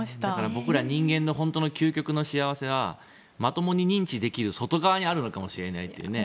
僕ら人間の究極の幸せはまともに認知できる外側にあるのかもしれないですね。